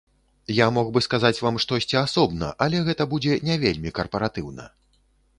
Я мог бы сказаць вам штосьці асобна, але гэта будзе не вельмі карпаратыўна.